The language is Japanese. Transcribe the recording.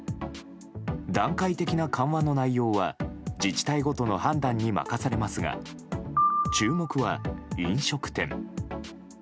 段階的な緩和の内容は自治体ごとの判断に任されますが注目は飲食店。